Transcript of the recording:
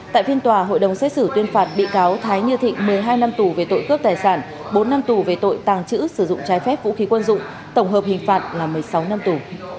tại phiên tòa hội đồng xét xử tuyên phạt bị cáo thái như thịnh một mươi hai năm tù về tội cướp tài sản bốn năm tù về tội tàng trữ sử dụng trái phép vũ khí quân dụng tổng hợp hình phạt là một mươi sáu năm tù